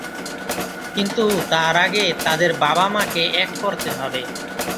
কিন্তু তার আগে তাদের বাবা-মাকে এক করতে হবে।